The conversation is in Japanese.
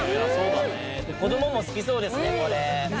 子どもも好きそうですね、これ。